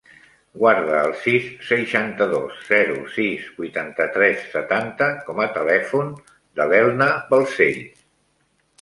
Guarda el sis, seixanta-dos, zero, sis, vuitanta-tres, setanta com a telèfon de l'Elna Balcells.